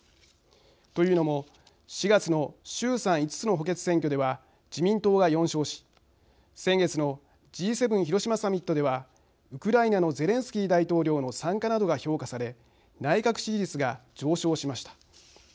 というのも４月の衆参５つの補欠選挙では自民党が４勝し先月のＧ７広島サミットではウクライナのゼレンスキー大統領の参加などが評価され内閣支持率が上昇しました。